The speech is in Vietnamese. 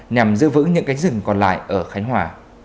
nhằm giữ vững những cánh rừng còn lại ở khánh hòa